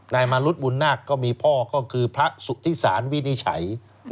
นายมารุษบุนนาคก็มีพ่อก็คือพระสุธิศาสน์วินิสไฉ